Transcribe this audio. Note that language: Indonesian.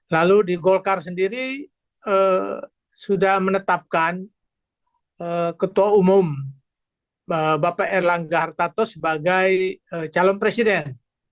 lalu di golkar sendiri sudah menetapkan ketua umum bapak erlangga hartato sebagai calon presiden